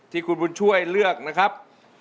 ที่คุณบุญช่วยเลือกนะครับ